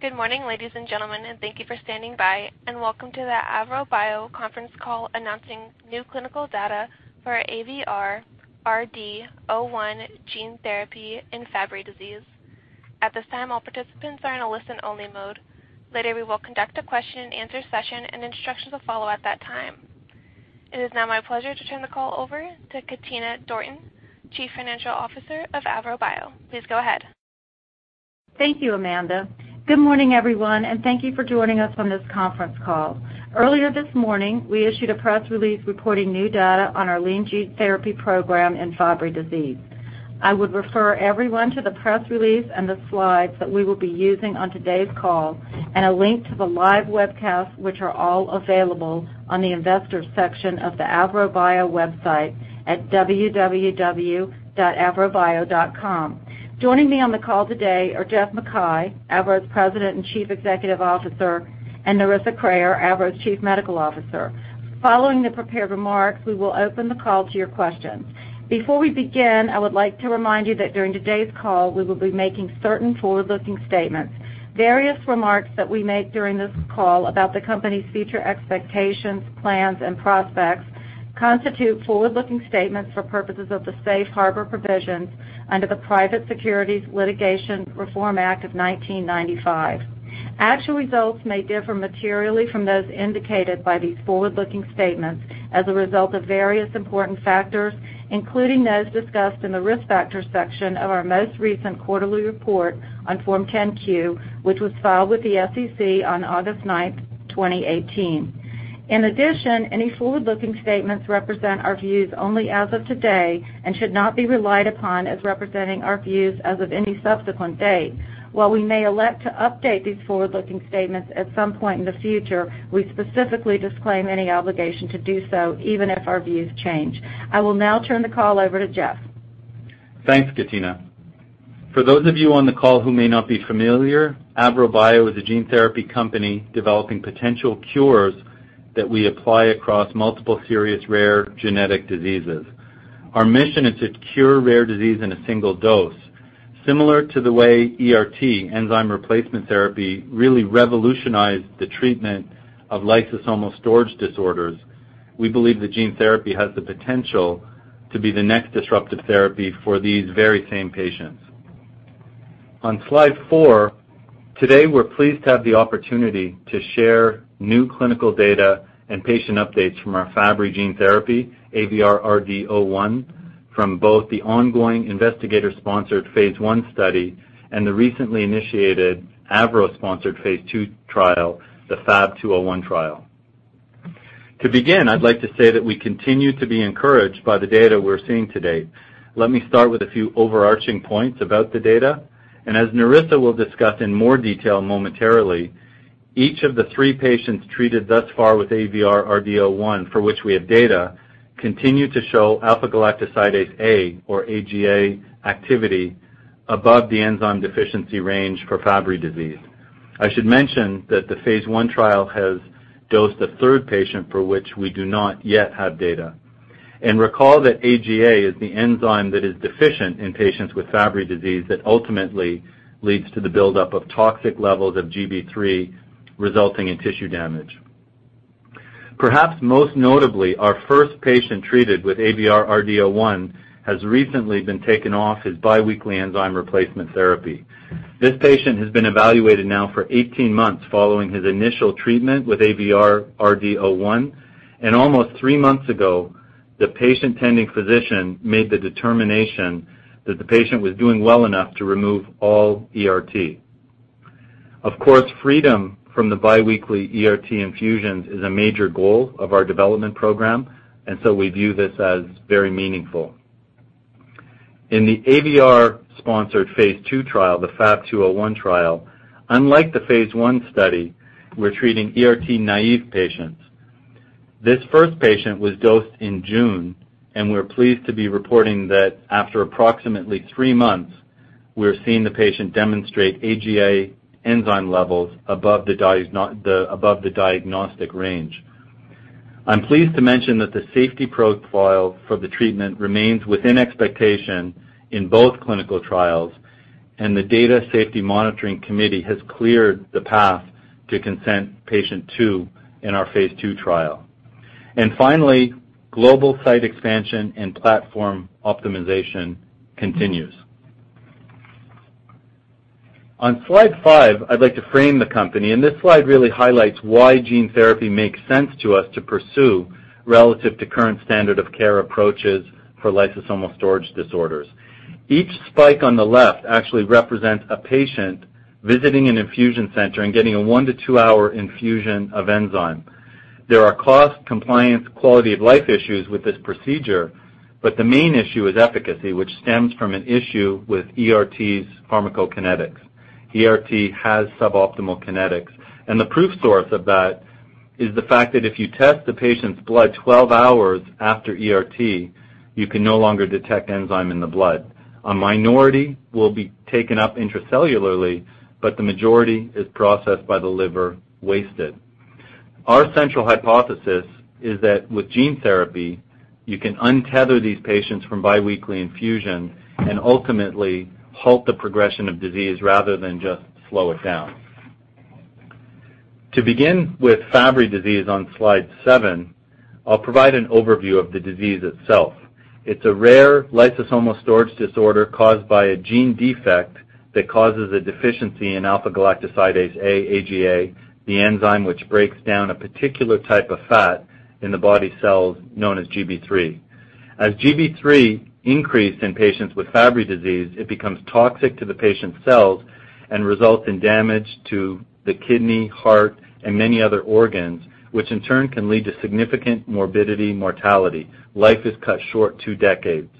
Good morning, ladies and gentlemen, and thank you for standing by, and welcome to the AVROBIO conference call announcing new clinical data for AVR-RD-01 gene therapy in Fabry disease. At this time, all participants are in a listen-only mode. Later, we will conduct a question and answer session, and instructions will follow at that time. It is now my pleasure to turn the call over to Katina Dorton, Chief Financial Officer of AVROBIO. Please go ahead. Thank you, Amanda. Good morning, everyone, and thank you for joining us on this conference call. Earlier this morning, we issued a press release reporting new data on our lead gene therapy program in Fabry disease. I would refer everyone to the press release and the slides that we will be using on today's call and a link to the live webcast, which are all available on the investors section of the AVROBIO website at www.avrobio.com. Joining me on the call today are Geoff MacKay, AVROBIO's President and Chief Executive Officer, and Nerissa Kreher, AVROBIO's Chief Medical Officer. Following the prepared remarks, we will open the call to your questions. Before we begin, I would like to remind you that during today's call, we will be making certain forward-looking statements. Various remarks that we make during this call about the company's future expectations, plans, and prospects constitute forward-looking statements for purposes of the safe harbor provisions under the Private Securities Litigation Reform Act of 1995. Actual results may differ materially from those indicated by these forward-looking statements as a result of various important factors, including those discussed in the risk factors section of our most recent quarterly report on Form 10-Q, which was filed with the SEC on August 9th, 2018. In addition, any forward-looking statements represent our views only as of today and should not be relied upon as representing our views as of any subsequent date. While we may elect to update these forward-looking statements at some point in the future, we specifically disclaim any obligation to do so, even if our views change. I will now turn the call over to Geoff. Thanks, Katina. For those of you on the call who may not be familiar, AVROBIO is a gene therapy company developing potential cures that we apply across multiple serious rare genetic diseases. Our mission is to cure rare disease in a single dose. Similar to the way ERT, enzyme replacement therapy, really revolutionized the treatment of lysosomal storage disorders, we believe that gene therapy has the potential to be the next disruptive therapy for these very same patients. On slide four, today, we're pleased to have the opportunity to share new clinical data and patient updates from our Fabry gene therapy, AVR-RD-01, from both the ongoing investigator-sponsored phase I study and the recently initiated AVROBIO-sponsored phase II trial, the FAB-201 trial. To begin, I'd like to say that we continue to be encouraged by the data we're seeing to date. Let me start with a few overarching points about the data. As Nerissa will discuss in more detail momentarily, each of the three patients treated thus far with AVR-RD-01, for which we have data, continue to show alpha-galactosidase A, or AGA activity above the enzyme deficiency range for Fabry disease. I should mention that the phase I trial has dosed a third patient for which we do not yet have data. Recall that AGA is the enzyme that is deficient in patients with Fabry disease that ultimately leads to the buildup of toxic levels of GB3, resulting in tissue damage. Perhaps most notably, our first patient treated with AVR-RD-01 has recently been taken off his biweekly enzyme replacement therapy. This patient has been evaluated now for 18 months following his initial treatment with AVR-RD-01. Almost three months ago, the patient-tending physician made the determination that the patient was doing well enough to remove all ERT. Of course, freedom from the biweekly ERT infusions is a major goal of our development program, so we view this as very meaningful. In the AVR-sponsored phase II trial, the FAB-201 trial, unlike the phase I study, we're treating ERT-naïve patients. This first patient was dosed in June. We're pleased to be reporting that after approximately three months, we're seeing the patient demonstrate AGA enzyme levels above the diagnostic range. I'm pleased to mention that the safety profile for the treatment remains within expectation in both clinical trials. The Data Safety Monitoring Committee has cleared the path to consent patient two in our phase II trial. Finally, global site expansion and platform optimization continues. On slide five, I'd like to frame the company. This slide really highlights why gene therapy makes sense to us to pursue relative to current standard of care approaches for lysosomal storage disorders. Each spike on the left actually represents a patient visiting an infusion center and getting a one to two-hour infusion of enzyme. There are cost, compliance, quality-of-life issues with this procedure, but the main issue is efficacy, which stems from an issue with ERT's pharmacokinetics. ERT has suboptimal kinetics. The proof source of that is the fact that if you test the patient's blood 12 hours after ERT, you can no longer detect enzyme in the blood. A minority will be taken up intracellularly, but the majority is processed by the liver, wasted. Our central hypothesis is that with gene therapy, you can untether these patients from biweekly infusion and ultimately halt the progression of disease rather than just slow it down. To begin with Fabry disease on slide seven, I'll provide an overview of the disease itself. It's a rare lysosomal storage disorder caused by a gene defect that causes a deficiency in alpha-galactosidase A, AGA, the enzyme which breaks down a particular type of fat in the body cells known as GB3. As GB3 increase in patients with Fabry disease, it becomes toxic to the patient's cells and results in damage to the kidney, heart, and many other organs, which in turn can lead to significant morbidity, mortality. Life is cut short two decades.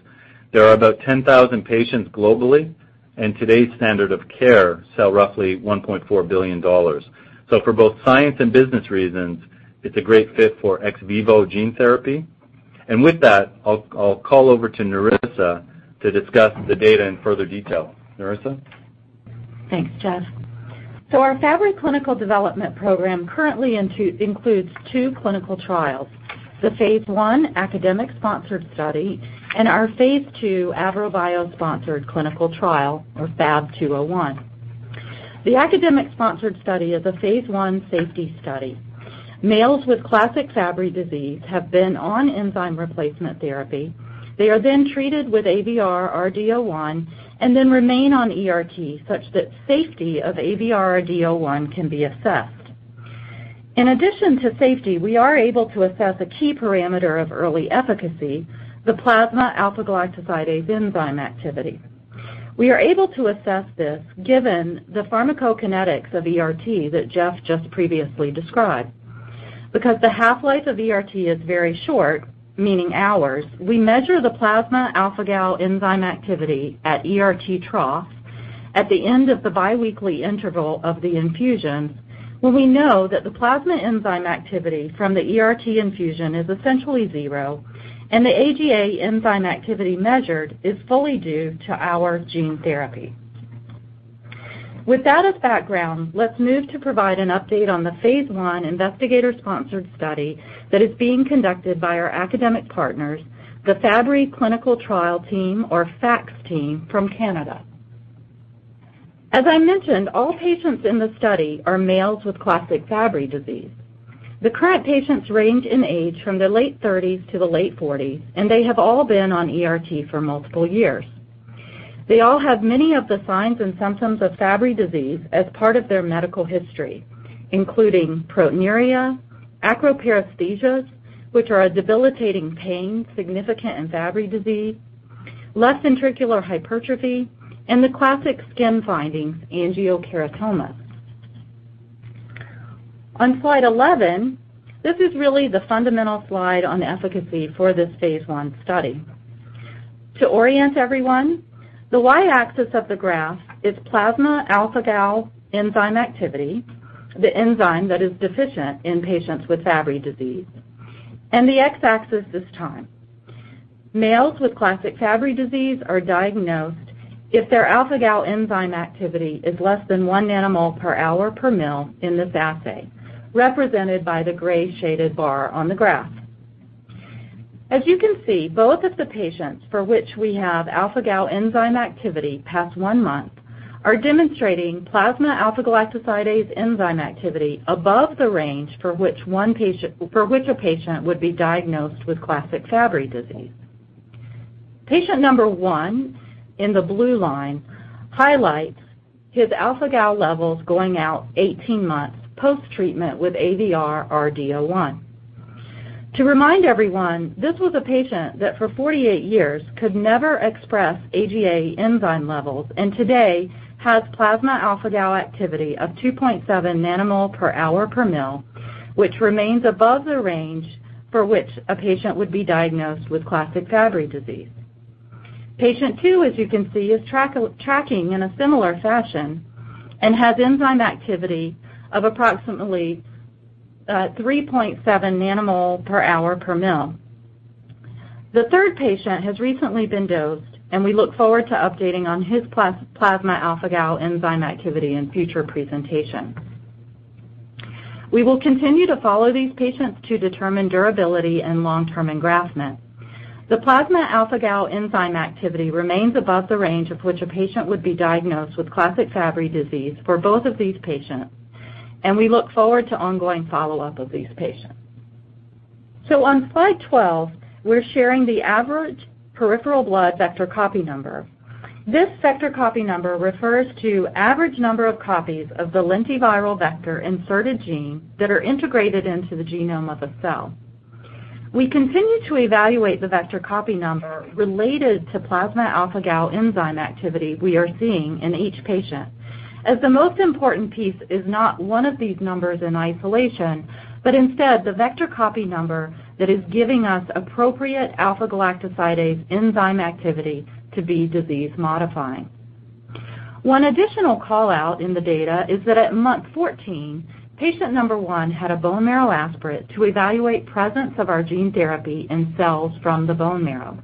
There are about 10,000 patients globally. Today's standard of care sell roughly $1.4 billion. For both science and business reasons, it's a great fit for ex vivo gene therapy. With that, I'll call over to Nerissa to discuss the data in further detail. Nerissa? Thanks, Geoff. Our Fabry clinical development program currently includes two clinical trials, the phase I academic-sponsored study and our phase II AVROBIO-sponsored clinical trial of FAB-201. The academic-sponsored study is a phase I safety study. Males with classic Fabry disease have been on enzyme replacement therapy. They are then treated with AVR-RD-01 and then remain on ERT such that safety of AVR-RD-01 can be assessed. In addition to safety, we are able to assess a key parameter of early efficacy, the plasma alpha-galactosidase enzyme activity. We are able to assess this given the pharmacokinetics of ERT that Geoff just previously described. Because the half-life of ERT is very short, meaning hours, we measure the plasma alpha-gal enzyme activity at ERT trough at the end of the biweekly interval of the infusion, when we know that the plasma enzyme activity from the ERT infusion is essentially zero and the AGA enzyme activity measured is fully due to our gene therapy. With that as background, let's move to provide an update on the phase I investigator-sponsored study that is being conducted by our academic partners, the Fabry Clinical Trial team, or FACTS team from Canada. As I mentioned, all patients in the study are males with classic Fabry disease. The current patients range in age from their late 30s to the late 40s, and they have all been on ERT for multiple years. They all have many of the signs and symptoms of Fabry disease as part of their medical history, including proteinuria, acroparesthesias, which are a debilitating pain significant in Fabry disease, left ventricular hypertrophy, and the classic skin findings, angiokeratoma. On slide 11, this is really the fundamental slide on efficacy for this phase I study. To orient everyone, the Y-axis of the graph is plasma alpha-gal enzyme activity, the enzyme that is deficient in patients with Fabry disease. The X-axis is time. Males with classic Fabry disease are diagnosed if their alpha-gal enzyme activity is less than one nanomole per hour per ml in this assay, represented by the gray-shaded bar on the graph. As you can see, both of the patients for which we have alpha-gal enzyme activity past 1 month are demonstrating plasma alpha-galactosidase enzyme activity above the range for which a patient would be diagnosed with classic Fabry disease. Patient number 1 in the blue line highlights his alpha-gal levels going out 18 months post-treatment with AVR-RD-01. To remind everyone, this was a patient that for 48 years could never express AGA enzyme levels and today has plasma alpha-gal activity of 2.7 nanomole per hour per ml, which remains above the range for which a patient would be diagnosed with classic Fabry disease. Patient 2, as you can see, is tracking in a similar fashion and has enzyme activity of approximately 3.7 nanomole per hour per ml. The third patient has recently been dosed, and we look forward to updating on his plasma alpha-gal enzyme activity in future presentations. We will continue to follow these patients to determine durability and long-term engraftment. The plasma alpha-gal enzyme activity remains above the range of which a patient would be diagnosed with classic Fabry disease for both of these patients, and we look forward to ongoing follow-up of these patients. On slide 12, we're sharing the average peripheral blood vector copy number. This vector copy number refers to average number of copies of the lentiviral vector inserted gene that are integrated into the genome of a cell. We continue to evaluate the vector copy number related to plasma alpha-gal enzyme activity we are seeing in each patient, as the most important piece is not one of these numbers in isolation, but instead the vector copy number that is giving us appropriate alpha-galactosidase enzyme activity to be disease-modifying. One additional call-out in the data is that at month 14, patient number 1 had a bone marrow aspirate to evaluate presence of our gene therapy in cells from the bone marrow.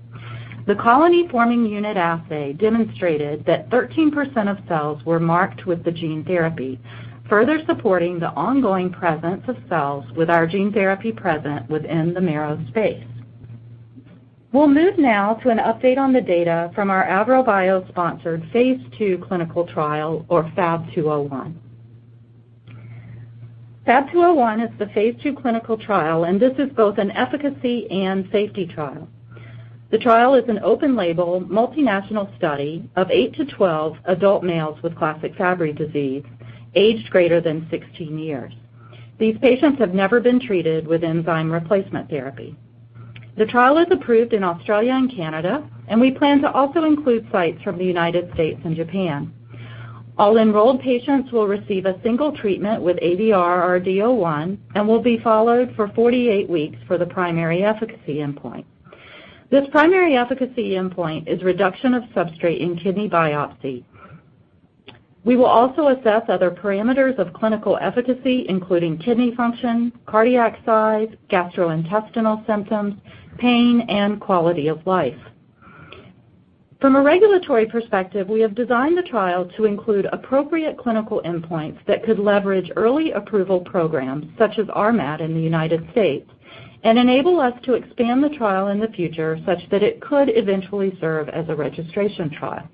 The colony-forming unit assay demonstrated that 13% of cells were marked with the gene therapy, further supporting the ongoing presence of cells with our gene therapy present within the marrow space. We'll move now to an update on the data from our AVROBIO-sponsored phase II clinical trial, or FAB-201. FAB-201 is the phase II clinical trial, and this is both an efficacy and safety trial. The trial is an open-label, multinational study of 8 to 12 adult males with classic Fabry disease, aged greater than 16 years. These patients have never been treated with enzyme replacement therapy. The trial is approved in Australia and Canada, and we plan to also include sites from the U.S. and Japan. All enrolled patients will receive a single treatment with AVR-RD-01 and will be followed for 48 weeks for the primary efficacy endpoint. This primary efficacy endpoint is reduction of substrate in kidney biopsy. We will also assess other parameters of clinical efficacy, including kidney function, cardiac size, gastrointestinal symptoms, pain, and quality of life. From a regulatory perspective, we have designed the trial to include appropriate clinical endpoints that could leverage early approval programs such as RMAT in the U.S. and enable us to expand the trial in the future such that it could eventually serve as a registration trial.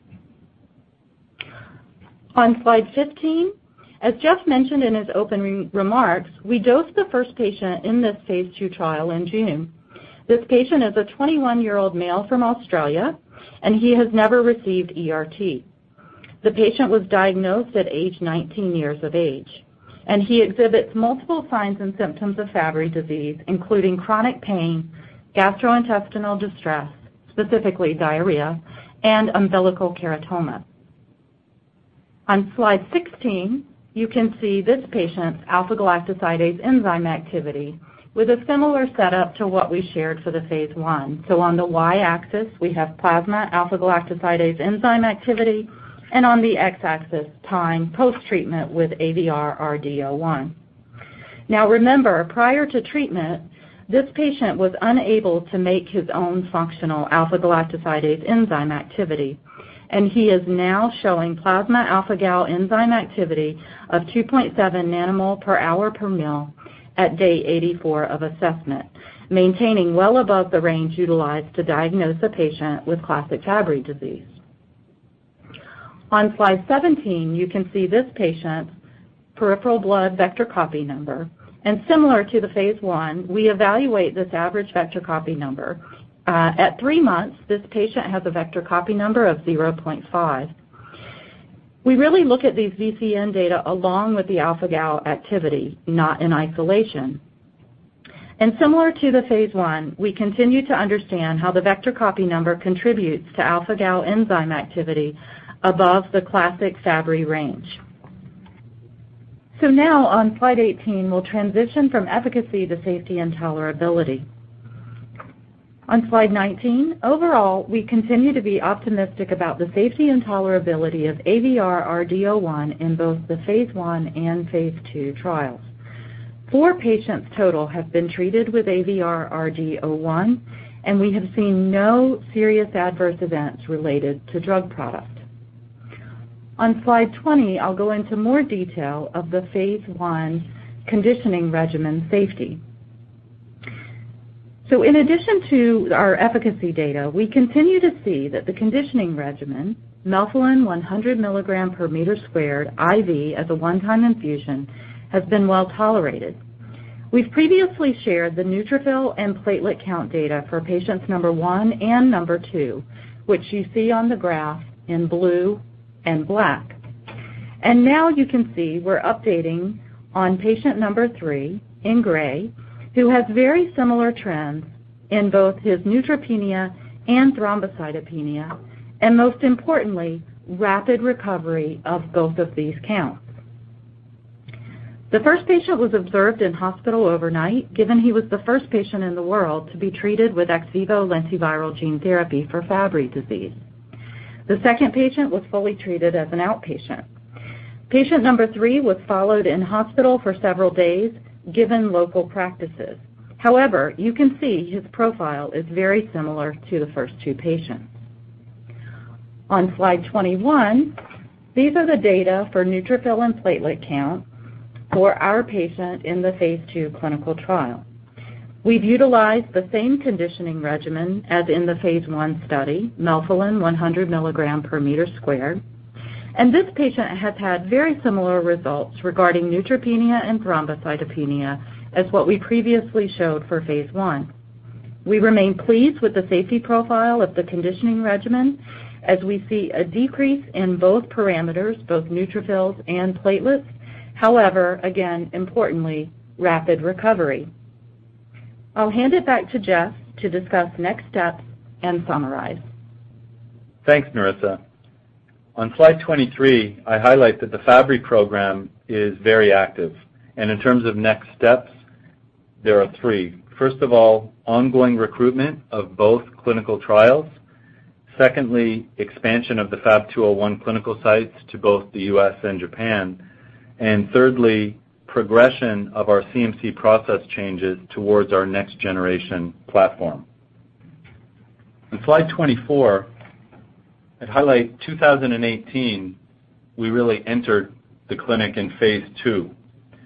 On slide 15, as Geoff mentioned in his opening remarks, we dosed the first patient in this phase II trial in June. This patient is a 21-year-old male from Australia, and he has never received ERT. The patient was diagnosed at age 19 years of age, he exhibits multiple signs and symptoms of Fabry disease, including chronic pain, gastrointestinal distress, specifically diarrhea, and umbilical angiokeratoma. On slide 16, you can see this patient's alpha-galactosidase enzyme activity with a similar setup to what we shared for the phase I. On the Y-axis, we have plasma alpha-galactosidase enzyme activity, and on the X-axis, time post-treatment with AVR-RD-01. Remember, prior to treatment, this patient was unable to make his own functional alpha-galactosidase enzyme activity, and he is now showing plasma alpha gal enzyme activity of 2.7 nanomole per hour per mL at day 84 of assessment, maintaining well above the range utilized to diagnose a patient with classic Fabry disease. On slide 17, you can see this patient's peripheral blood vector copy number, and similar to the phase I, we evaluate this average vector copy number. At three months, this patient has a vector copy number of 0.5. We really look at these VCN data along with the alpha gal activity, not in isolation. Similar to the phase I, we continue to understand how the vector copy number contributes to alpha gal enzyme activity above the classic Fabry range. Now on slide 18, we'll transition from efficacy to safety and tolerability. On slide 19, overall, we continue to be optimistic about the safety and tolerability of AVR-RD-01 in both the phase I and phase II trials. Four patients total have been treated with AVR-RD-01, and we have seen no serious adverse events related to drug product. On slide 20, I'll go into more detail of the phase I conditioning regimen safety. In addition to our efficacy data, we continue to see that the conditioning regimen, melphalan 100 milligram per meter squared IV as a one-time infusion, has been well-tolerated. We've previously shared the neutrophil and platelet count data for patients number 1 and number 2, which you see on the graph in blue and black. Now you can see we're updating on patient number 3 in gray, who has very similar trends in both his neutropenia and thrombocytopenia, and most importantly, rapid recovery of both of these counts. The first patient was observed in hospital overnight, given he was the first patient in the world to be treated with ex vivo lentiviral gene therapy for Fabry disease. The second patient was fully treated as an outpatient. Patient number 3 was followed in hospital for several days given local practices. You can see his profile is very similar to the first two patients. On slide 21, these are the data for neutrophil and platelet count for our patient in the phase II clinical trial. We've utilized the same conditioning regimen as in the phase I study, melphalan 100 milligram per meter squared. This patient has had very similar results regarding neutropenia and thrombocytopenia as what we previously showed for phase I. We remain pleased with the safety profile of the conditioning regimen as we see a decrease in both parameters, both neutrophils and platelets. Again, importantly, rapid recovery. I'll hand it back to Geoff to discuss next steps and summarize. Thanks, Nerissa. On slide 23, I highlight that the Fabry program is very active. In terms of next steps, there are three. First of all, ongoing recruitment of both clinical trials. Secondly, expansion of the FAB-201 clinical sites to both the U.S. and Japan. Thirdly, progression of our CMC process changes towards our next generation platform. On slide 24, I'd highlight 2018, we really entered the clinic in phase II.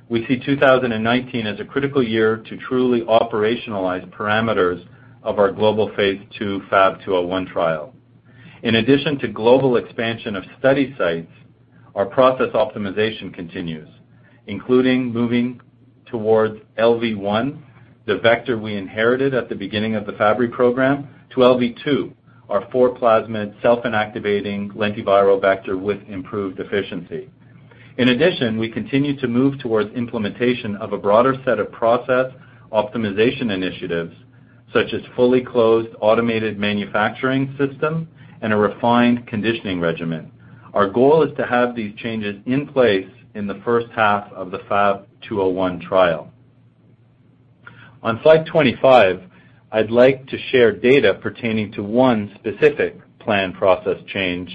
We see 2019 as a critical year to truly operationalize parameters of our global phase II FAB-201 trial. In addition to global expansion of study sites, our process optimization continues, including moving towards LV1, the vector we inherited at the beginning of the Fabry program, to LV2, our four-plasmid self-inactivating lentiviral vector with improved efficiency. In addition, we continue to move towards implementation of a broader set of process optimization initiatives, such as fully closed, automated manufacturing system and a refined conditioning regimen. Our goal is to have these changes in place in the first half of the FAB-201 trial. On slide 25, I'd like to share data pertaining to one specific plan process change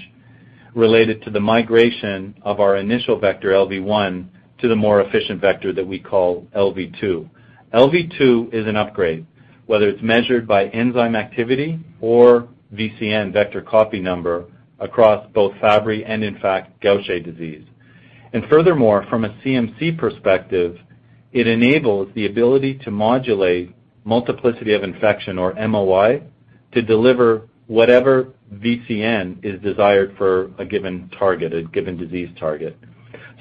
related to the migration of our initial vector, LV1, to the more efficient vector that we call LV2. LV2 is an upgrade, whether it's measured by enzyme activity or VCN, vector copy number, across both Fabry and in fact, Gaucher disease. Furthermore, from a CMC perspective, it enables the ability to modulate multiplicity of infection, or MOI, to deliver whatever VCN is desired for a given disease target.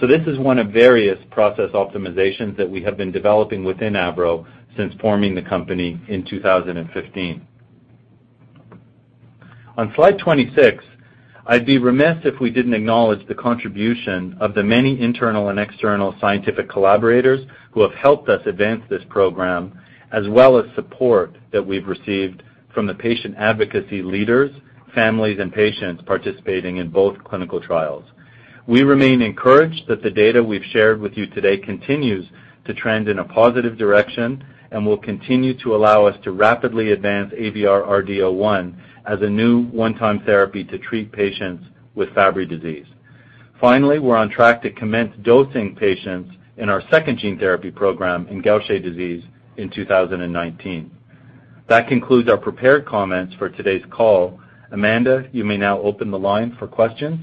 This is one of various process optimizations that we have been developing within AVRO since forming the company in 2015. On slide 26, I'd be remiss if we didn't acknowledge the contribution of the many internal and external scientific collaborators who have helped us advance this program, as well as support that we've received from the patient advocacy leaders, families, and patients participating in both clinical trials. We remain encouraged that the data we've shared with you today continues to trend in a positive direction and will continue to allow us to rapidly advance AVR-RD-01 as a new one-time therapy to treat patients with Fabry disease. Finally, we're on track to commence dosing patients in our second gene therapy program in Gaucher disease in 2019. That concludes our prepared comments for today's call. Amanda, you may now open the line for questions.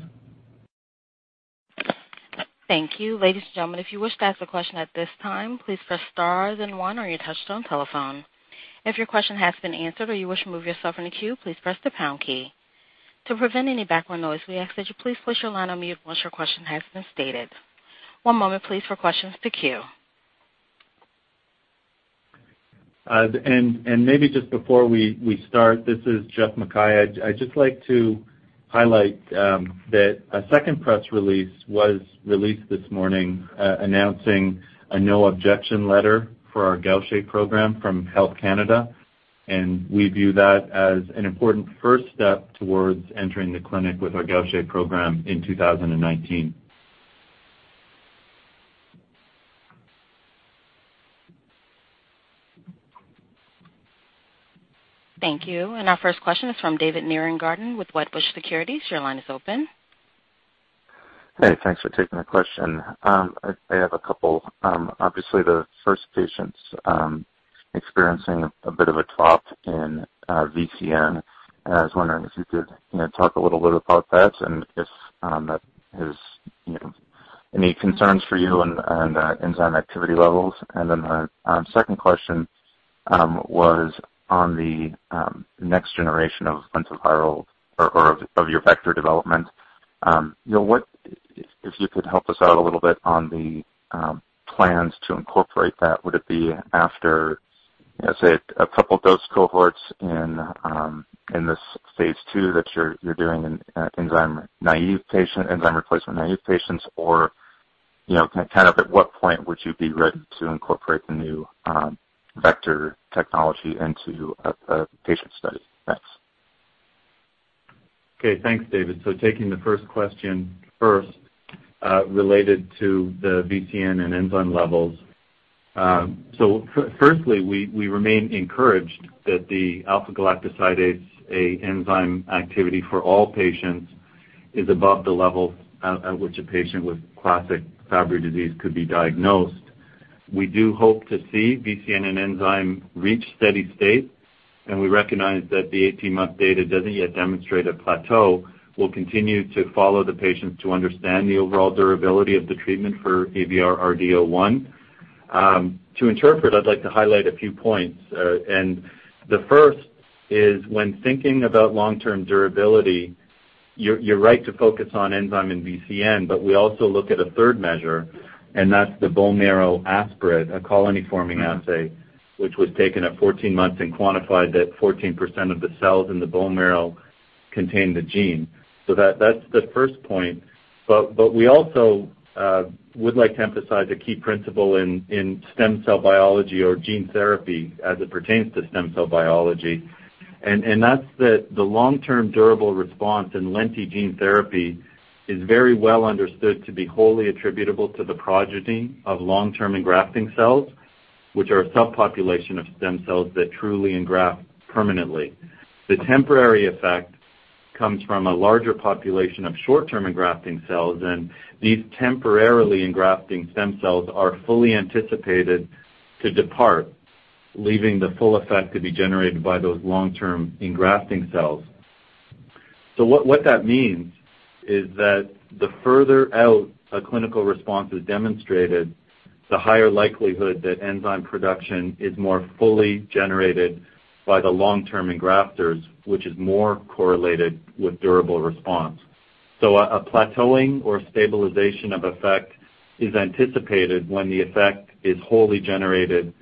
Thank you. Ladies and gentlemen, if you wish to ask a question at this time, please press star then one on your touchtone telephone. If your question has been answered or you wish to remove yourself from the queue, please press the pound key. To prevent any background noise, we ask that you please place your line on mute once your question has been stated. One moment please for questions to queue. Maybe just before we start, this is Geoff MacKay. I'd just like to highlight that a second press release was released this morning, announcing a no objection letter for our Gaucher program from Health Canada, and we view that as an important first step towards entering the clinic with our Gaucher program in 2019. Thank you. Our first question is from David Nierengarten with Wedbush Securities. Your line is open. Hey, thanks for taking the question. I have a couple. Obviously, the first patient's experiencing a bit of a drop in VCN, and I was wondering if you could talk a little bit about that and if that is any concerns for you on the enzyme activity levels. The second question was on the next generation of lentiviral or of your vector development. If you could help us out a little bit on the plans to incorporate that. Would it be after, say, a couple dose cohorts in this phase II that you're doing in enzyme replacement naive patients? At what point would you be ready to incorporate the new vector technology into a patient study? Thanks. Okay, thanks, David. Taking the first question first, related to the VCN and enzyme levels. Firstly, we remain encouraged that the alpha-galactosidase A enzyme activity for all patients is above the level at which a patient with classic Fabry disease could be diagnosed. We do hope to see VCN and enzyme reach steady state, and we recognize that the 18-month data doesn't yet demonstrate a plateau. We'll continue to follow the patients to understand the overall durability of the treatment for AVR-RD-01. To interpret, I'd like to highlight a few points. The first is when thinking about long-term durability, you're right to focus on enzyme and VCN, but we also look at a third measure, and that's the bone marrow aspirate, a colony-forming unit assay, which was taken at 14 months and quantified that 14% of the cells in the bone marrow contain the gene. That's the first point. We also would like to emphasize a key principle in stem cell biology or gene therapy as it pertains to stem cell biology. That's that the long-term durable response in lenti gene therapy is very well understood to be wholly attributable to the progeny of long-term engrafting cells, which are a subpopulation of stem cells that truly engraft permanently. The temporary effect comes from a larger population of short-term engrafting cells, and these temporarily engrafting stem cells are fully anticipated to depart, leaving the full effect to be generated by those long-term engrafting cells. What that means is that the further out a clinical response is demonstrated, the higher likelihood that enzyme production is more fully generated by the long-term engrafters, which is more correlated with durable response. A plateauing or stabilization of effect is anticipated when the effect is wholly generated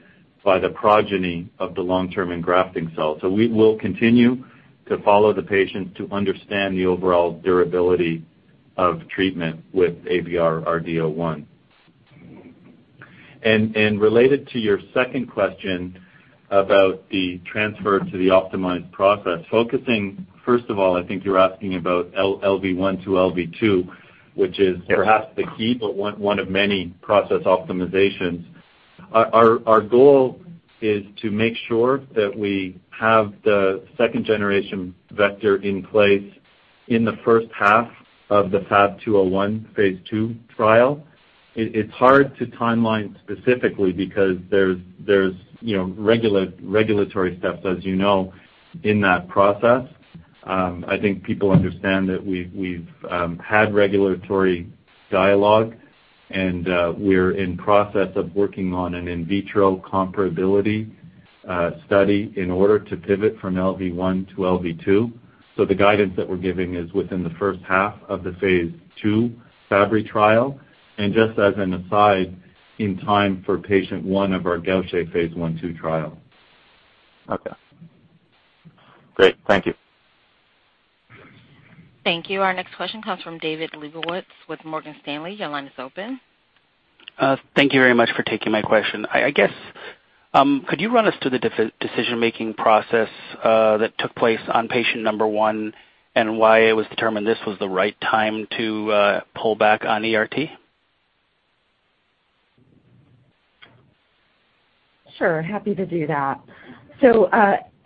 by the progeny of the long-term engrafting cells. We will continue to follow the patients to understand the overall durability of treatment with AVR-RD-01. Related to your second question about the transfer to the optimized process, focusing, first of all, I think you're asking about LV1 to LV2, which is perhaps the key, but one of many process optimizations. Our goal is to make sure that we have the second generation vector in place in the first half of the FAB-201 phase II trial. It's hard to timeline specifically because there's regulatory steps, as you know, in that process. I think people understand that we've had regulatory dialogue, and we're in process of working on an in vitro comparability study in order to pivot from LV1 to LV2. The guidance that we're giving is within the first half of the phase II Fabry trial. Just as an aside, in time for patient one of our Gaucher phase I-II trial. Okay. Great. Thank you. Thank you. Our next question comes from David Lebowitz with Morgan Stanley. Your line is open. Thank you very much for taking my question. I guess, could you run us through the decision-making process that took place on patient number one, and why it was determined this was the right time to pull back on ERT? Sure. Happy to do that.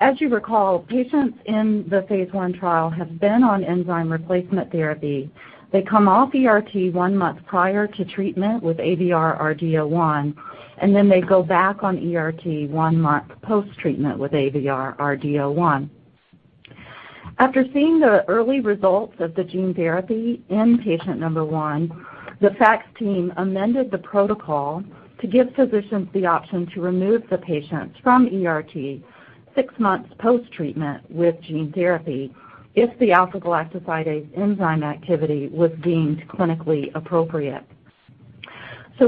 As you recall, patients in the phase I trial have been on enzyme replacement therapy. They come off ERT one month prior to treatment with AVR-RD-01, and then they go back on ERT one month post-treatment with AVR-RD-01. After seeing the early results of the gene therapy in patient number one, the FACTS team amended the protocol to give physicians the option to remove the patients from ERT six months post-treatment with gene therapy if the alpha-galactosidase A's enzyme activity was deemed clinically appropriate.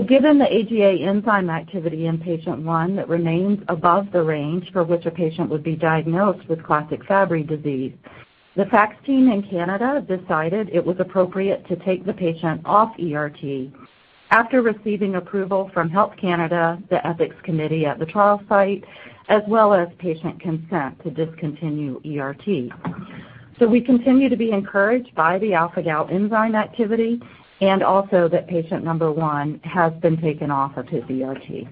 Given the AGA enzyme activity in patient one that remains above the range for which a patient would be diagnosed with classic Fabry disease, the FACTS team in Canada decided it was appropriate to take the patient off ERT after receiving approval from Health Canada, the ethics committee at the trial site, as well as patient consent to discontinue ERT. We continue to be encouraged by the alpha-galactosidase A enzyme activity, and also that patient number one has been taken off of his ERT.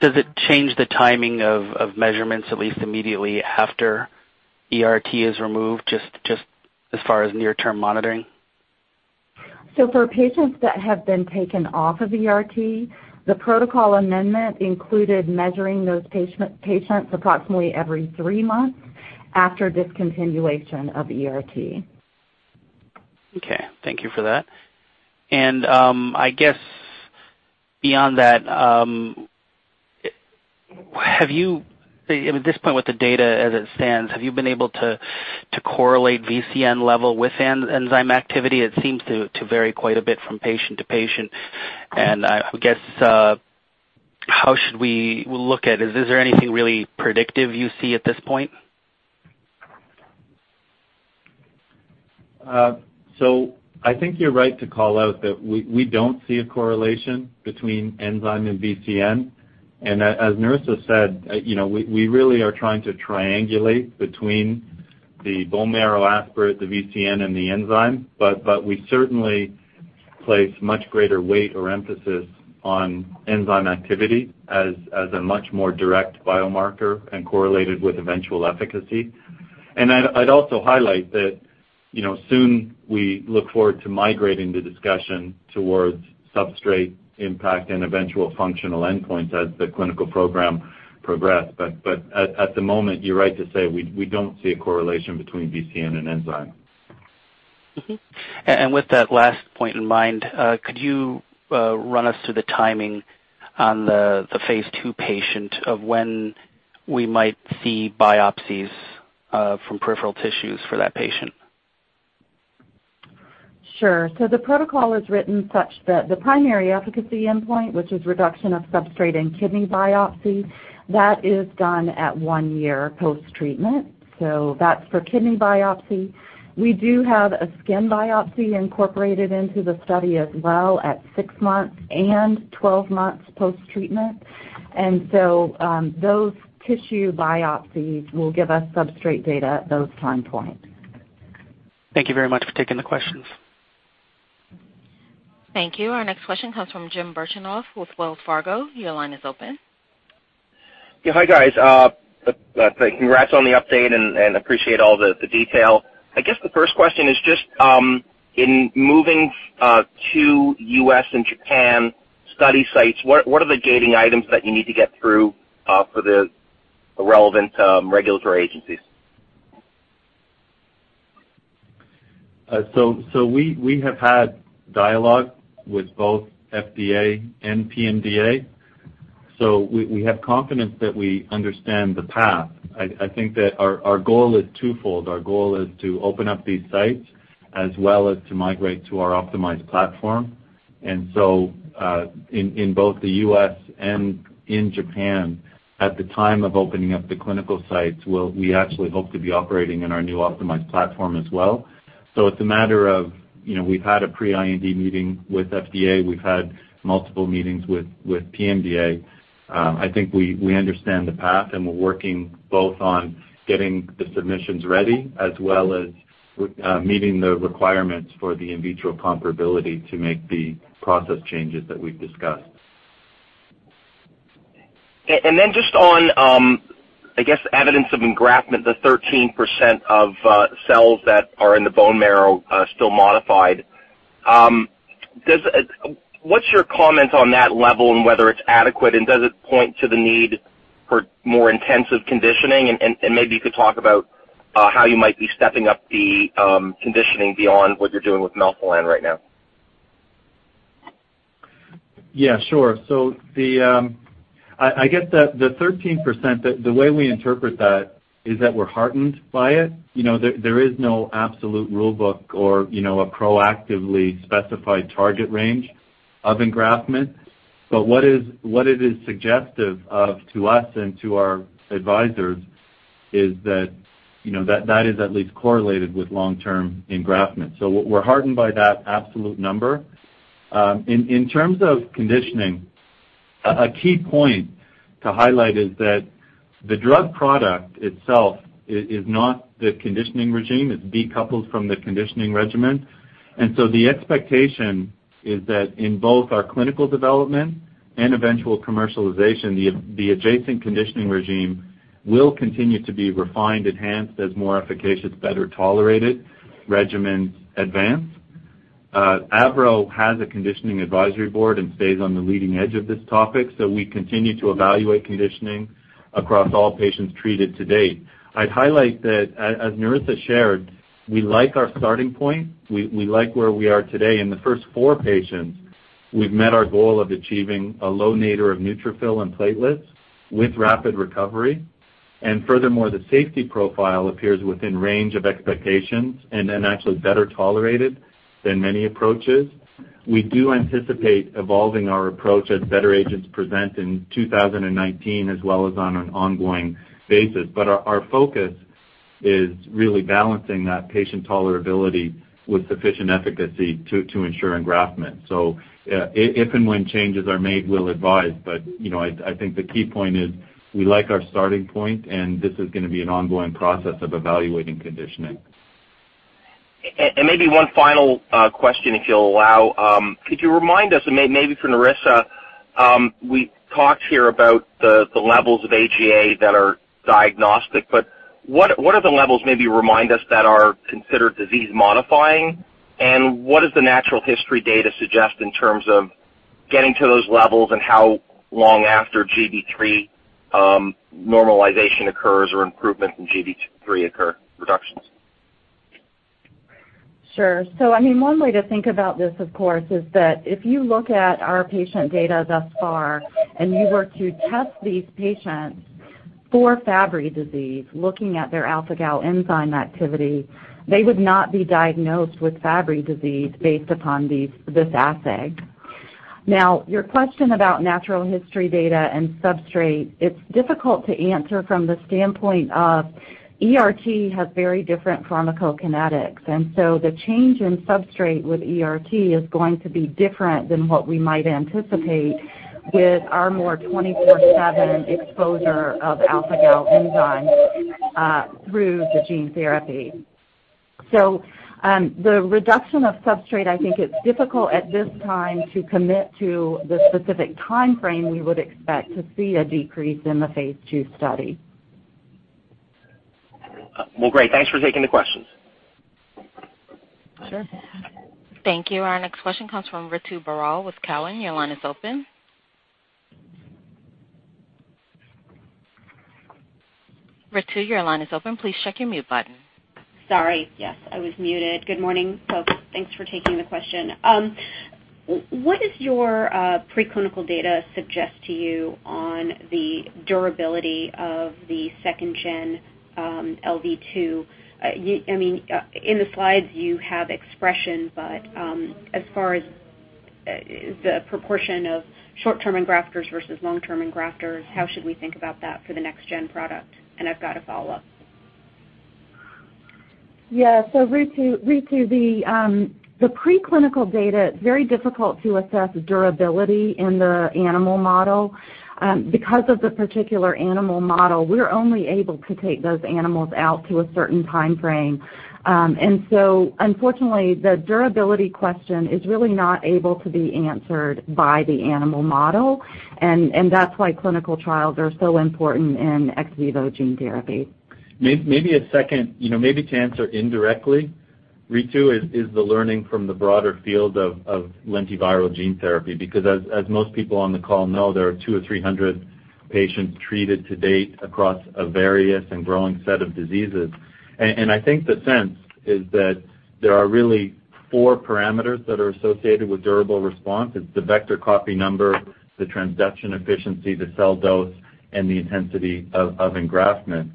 Does it change the timing of measurements at least immediately after ERT is removed, just as far as near-term monitoring? For patients that have been taken off of ERT, the protocol amendment included measuring those patients approximately every three months after discontinuation of ERT. Okay. Thank you for that. I guess beyond that, at this point with the data as it stands, have you been able to correlate VCN level with enzyme activity? It seems to vary quite a bit from patient to patient, and I guess, how should we look at it? Is there anything really predictive you see at this point? I think you're right to call out that we don't see a correlation between enzyme and VCN. As Nerissa said, we really are trying to triangulate between the bone marrow aspirate, the VCN, and the enzyme. We certainly place much greater weight or emphasis on enzyme activity as a much more direct biomarker and correlated with eventual efficacy. I'd also highlight that soon we look forward to migrating the discussion towards substrate impact and eventual functional endpoints as the clinical program progress. At the moment, you're right to say we don't see a correlation between VCN and enzyme. Mm-hmm. With that last point in mind, could you run us through the timing on the phase II patient of when we might see biopsies from peripheral tissues for that patient? Sure. The protocol is written such that the primary efficacy endpoint, which is reduction of substrate and kidney biopsy, that is done at one year post-treatment. That's for kidney biopsy. We do have a skin biopsy incorporated into the study as well at six months and 12 months post-treatment. Those tissue biopsies will give us substrate data at those time points. Thank you very much for taking the questions. Thank you. Our next question comes from Jim Birchenough with Wells Fargo. Your line is open. Yeah. Hi, guys. Congrats on the update and appreciate all the detail. I guess the first question is just in moving to U.S. and Japan study sites, what are the gating items that you need to get through for the relevant regulatory agencies? We have had dialogue with both FDA and PMDA. We have confidence that we understand the path. I think that our goal is twofold. Our goal is to open up these sites as well as to migrate to our optimized platform. In both the U.S. and in Japan, at the time of opening up the clinical sites, we actually hope to be operating in our new optimized platform as well. It's a matter of we've had a pre-IND meeting with FDA. We've had multiple meetings with PMDA. I think we understand the path and we're working both on getting the submissions ready as well as meeting the requirements for the in vitro comparability to make the process changes that we've discussed. Just on, I guess, evidence of engraftment, the 13% of cells that are in the bone marrow still modified. What's your comment on that level and whether it's adequate and does it point to the need for more intensive conditioning and maybe you could talk about how you might be stepping up the conditioning beyond what you're doing with melphalan right now? Yeah, sure. I guess the 13%, the way we interpret that is that we're heartened by it. There is no absolute rule book or a proactively specified target range of engraftment. What it is suggestive of to us and to our advisors is that is at least correlated with long-term engraftment. We're heartened by that absolute number. In terms of conditioning, a key point to highlight is that the drug product itself is not the conditioning regimen. It's decoupled from the conditioning regimen. The expectation is that in both our clinical development and eventual commercialization, the adjacent conditioning regimen will continue to be refined, enhanced as more efficacious, better-tolerated regimens advance. AVRO has a conditioning advisory board and stays on the leading edge of this topic, we continue to evaluate conditioning across all patients treated to date. I'd highlight that as Nerissa shared, we like our starting point. We like where we are today. In the first four patients, we've met our goal of achieving a low nadir of neutrophil and platelets with rapid recovery. Furthermore, the safety profile appears within range of expectations and actually better tolerated than many approaches. We do anticipate evolving our approach as better agents present in 2019 as well as on an ongoing basis. Our focus is really balancing that patient tolerability with sufficient efficacy to ensure engraftment. If and when changes are made, we'll advise, but I think the key point is we like our starting point and this is going to be an ongoing process of evaluating conditioning. Maybe one final question if you'll allow. Could you remind us, and maybe for Nerissa, we talked here about the levels of AGA that are diagnostic, what are the levels, maybe remind us, that are considered disease-modifying and what does the natural history data suggest in terms of getting to those levels and how long after GB3 normalization occurs or improvement in GB3 occur, reductions? Sure. One way to think about this, of course, is that if you look at our patient data thus far and you were to test these patients for Fabry disease, looking at their alpha gal enzyme activity, they would not be diagnosed with Fabry disease based upon this assay. Now, your question about natural history data and substrate, it's difficult to answer from the standpoint of ERT has very different pharmacokinetics. The change in substrate with ERT is going to be different than what we might anticipate with our more 24/7 exposure of alpha gal enzyme through the gene therapy. The reduction of substrate, I think it's difficult at this time to commit to the specific timeframe we would expect to see a decrease in the phase II study. Well, great. Thanks for taking the questions. Sure. Thank you. Our next question comes from Ritu Baral with Cowen. Your line is open. Ritu, your line is open. Please check your mute button. Sorry. Yes, I was muted. Good morning, folks. Thanks for taking the question. What does your preclinical data suggest to you on the durability of the second-gen LV2? In the slides you have expression, but as far as the proportion of short-term engrafters versus long-term engrafters, how should we think about that for the next-gen product? I've got a follow-up. Yeah. Ritu, the preclinical data, it's very difficult to assess durability in the animal model. Because of the particular animal model, we're only able to take those animals out to a certain timeframe. Unfortunately, the durability question is really not able to be answered by the animal model. That's why clinical trials are so important in ex vivo gene therapy. Maybe to answer indirectly, Ritu, is the learning from the broader field of lentiviral gene therapy. As most people on the call know, there are 200 or 300 patients treated to date across a various and growing set of diseases. I think the sense is that there are really four parameters that are associated with durable response. It's the vector copy number, the transduction efficiency, the cell dose, and the intensity of engraftment.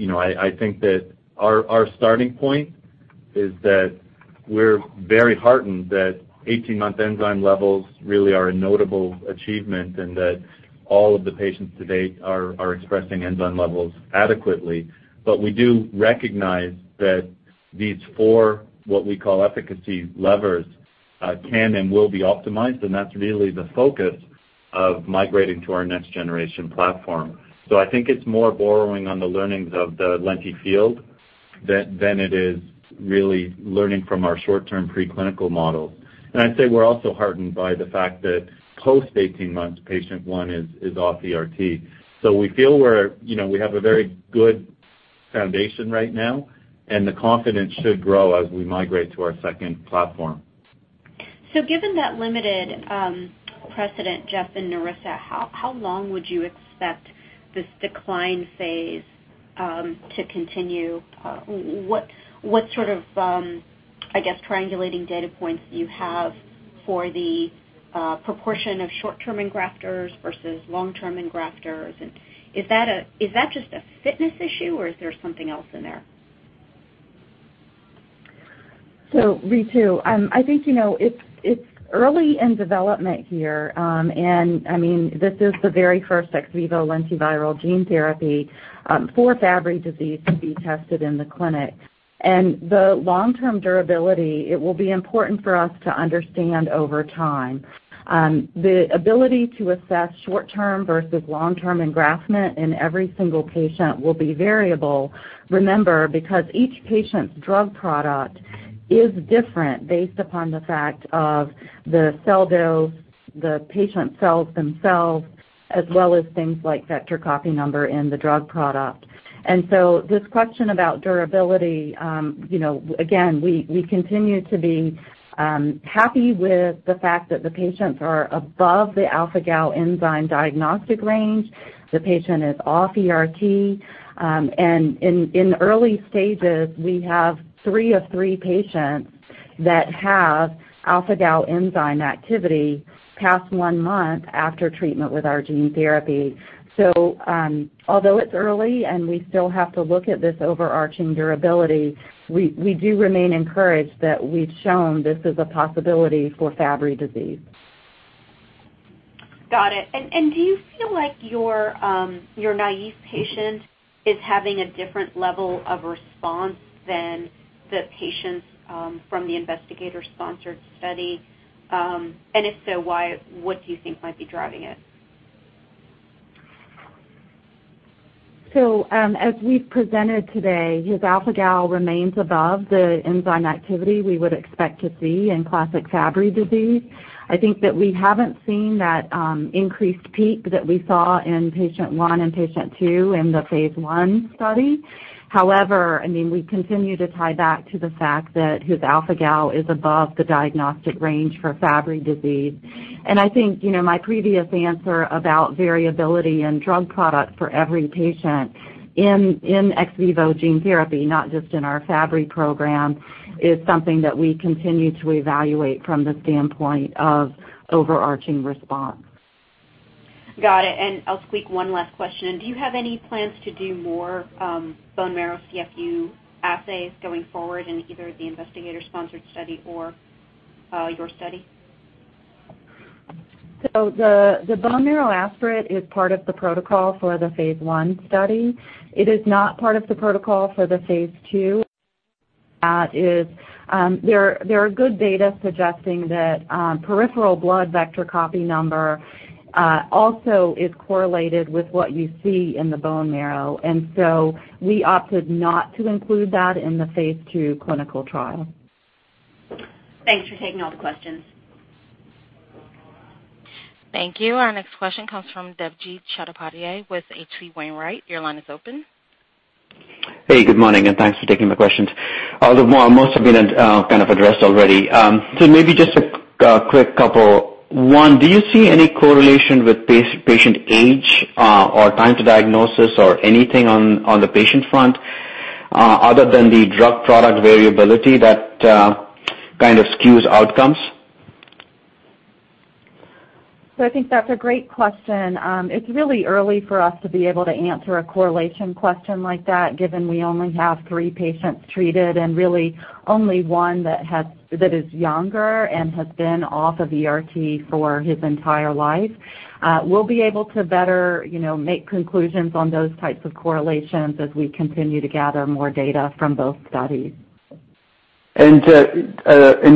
I think that our starting point is that we're very heartened that 18-month enzyme levels really are a notable achievement, and that all of the patients to date are expressing enzyme levels adequately. We do recognize that these four, what we call efficacy levers, can and will be optimized, and that's really the focus of migrating to our next generation platform. I think it's more borrowing on the learnings of the lenti field than it is really learning from our short-term pre-clinical models. I'd say we're also heartened by the fact that post-18 months, patient 1 is off ERT. We feel we have a very good foundation right now, and the confidence should grow as we migrate to our second platform. Given that limited precedent, Geoff and Nerissa, how long would you expect this decline phase to continue? What sort of triangulating data points do you have for the proportion of short-term engrafters versus long-term engrafters? Is that just a fitness issue, or is there something else in there? Ritu, I think it's early in development here. This is the very first ex vivo lentiviral gene therapy for Fabry disease to be tested in the clinic. The long-term durability, it will be important for us to understand over time. The ability to assess short-term versus long-term engraftment in every single patient will be variable. Remember, because each patient's drug product is different based upon the fact of the cell dose, the patient's cells themselves, as well as things like vector copy number in the drug product. This question about durability, again, we continue to be happy with the fact that the patients are above the alpha-gal enzyme diagnostic range. The patient is off ERT. In early stages, we have three of three patients that have alpha-gal enzyme activity past one month after treatment with our gene therapy. Although it's early and we still have to look at this overarching durability, we do remain encouraged that we've shown this is a possibility for Fabry disease. Got it. Do you feel like your naive patient is having a different level of response than the patients from the investigator-sponsored study? If so, what do you think might be driving it? As we've presented today, his alpha-gal remains above the enzyme activity we would expect to see in classic Fabry disease. I think that we haven't seen that increased peak that we saw in patient one and patient two in the phase I study. However, we continue to tie back to the fact that his alpha-gal is above the diagnostic range for Fabry disease. I think, my previous answer about variability in drug product for every patient in ex vivo gene therapy, not just in our Fabry program, is something that we continue to evaluate from the standpoint of overarching response. Got it. I'll squeak one last question in. Do you have any plans to do more bone marrow CFU assays going forward in either the investigator-sponsored study or your study? The bone marrow aspirate is part of the protocol for the phase I study. It is not part of the protocol for the phase II. There are good data suggesting that peripheral blood vector copy number also is correlated with what you see in the bone marrow. We opted not to include that in the phase II clinical trial. Thanks for taking all the questions. Thank you. Our next question comes from Debjit Chattopadhyay with H.C. Wainwright. Your line is open. Hey, good morning, Thanks for taking my questions. Most have been kind of addressed already. Maybe just a quick couple. One, do you see any correlation with patient age or time to diagnosis or anything on the patient front other than the drug product variability that kind of skews outcomes? I think that's a great question. It's really early for us to be able to answer a correlation question like that, given we only have three patients treated and really only one that is younger and has been off of ERT for his entire life. We'll be able to better make conclusions on those types of correlations as we continue to gather more data from both studies. In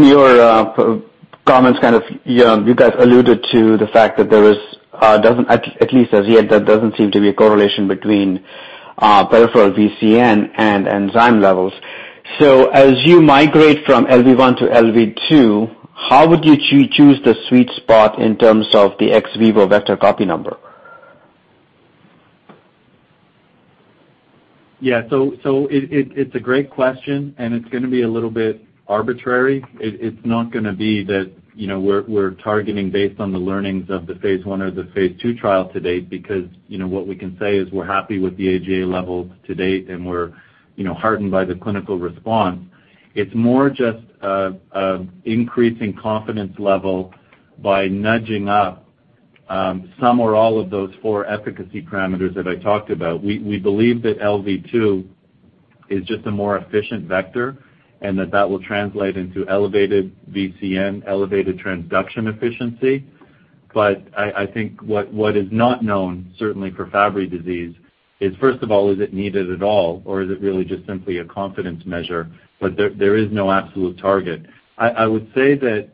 your comments, you guys alluded to the fact that there is, at least as yet, there doesn't seem to be a correlation between peripheral VCN and enzyme levels. As you migrate from LV1 to LV2, how would you choose the sweet spot in terms of the ex vivo vector copy number? It's a great question, it's going to be a little bit arbitrary. It's not going to be that we're targeting based on the learnings of the phase I or the phase II trial to date because what we can say is we're happy with the AGA levels to date, and we're heartened by the clinical response. It's more just increasing confidence level by nudging up some or all of those four efficacy parameters that I talked about. We believe that LV2 is just a more efficient vector and that will translate into elevated VCN, elevated transduction efficiency. I think what is not known certainly for Fabry disease is, first of all, is it needed at all, or is it really just simply a confidence measure? There is no absolute target. I would say that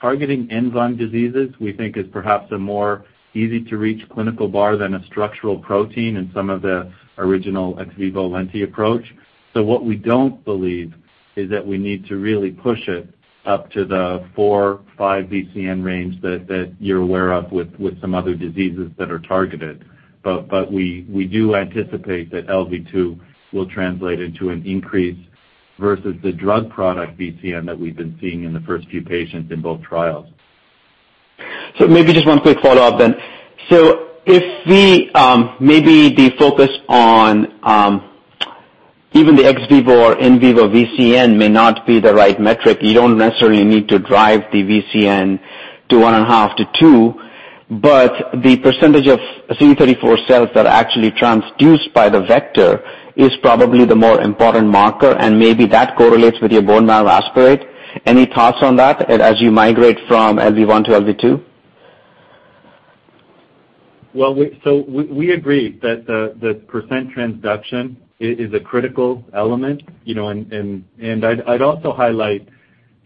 targeting enzyme diseases, we think, is perhaps a more easy-to-reach clinical bar than a structural protein in some of the original ex vivo lentiviral approach. What we don't believe is that we need to really push it up to the four, five VCN range that you're aware of with some other diseases that are targeted. We do anticipate that LV2 will translate into an increase versus the drug product VCN that we've been seeing in the first few patients in both trials. Maybe just one quick follow-up then. If maybe the focus on even the ex vivo or in vivo VCN may not be the right metric. You don't necessarily need to drive the VCN to 1.5 to 2, the percentage of CD34 cells that are actually transduced by the vector is probably the more important marker, and maybe that correlates with your bone marrow aspirate. Any thoughts on that as you migrate from LV1 to LV2? We agree that the % transduction is a critical element. I'd also highlight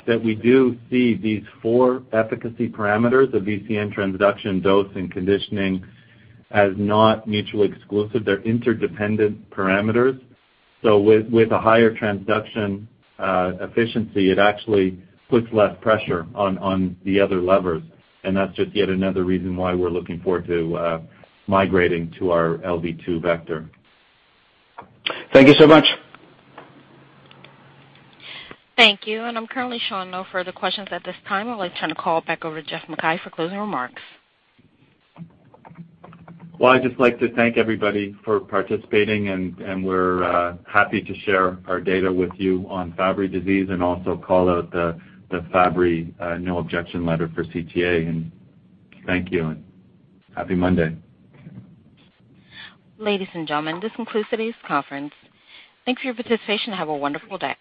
that we do see these four efficacy parameters of VCN transduction dose and conditioning as not mutually exclusive. They're interdependent parameters. With a higher transduction efficiency, it actually puts less pressure on the other levers, and that's just yet another reason why we're looking forward to migrating to our LV2 vector. Thank you so much. Thank you. I'm currently showing no further questions at this time. I would like to turn the call back over to Geoff MacKay for closing remarks. I'd just like to thank everybody for participating, and we're happy to share our data with you on Fabry disease and also call out the Fabry no objection letter for CTA. Thank you, and happy Monday. Ladies and gentlemen, this concludes today's conference. Thanks for your participation and have a wonderful day.